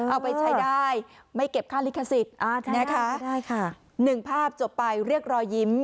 เอาไปใช้ได้ไม่เก็บค่าลิขสิทธิ์นึกภาพจบไปเรียกรอยยิ้ม